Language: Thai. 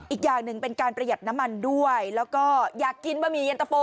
อีกอย่างหนึ่งเป็นการประหยัดน้ำมันด้วยแล้วก็อยากกินบะหมี่เย็นตะโฟ